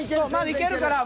いけるから。